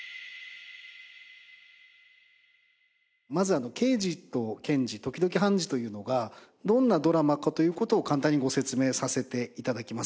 まず『ケイジとケンジ、時々ハンジ。』というのがどんなドラマかという事を簡単にご説明させて頂きます。